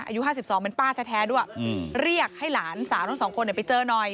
อายุ๕๒เป็นป้าแท้ด้วยเรียกให้หลานสาวทั้งสองคนไปเจอหน่อย